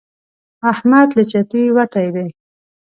احمد له چتې وتی دی.